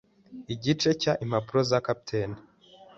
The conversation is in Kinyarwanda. Igice cya - Impapuro za Kapiteni